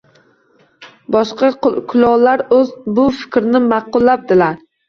Boshqa kulollar bu fikrni ma’qullabdilar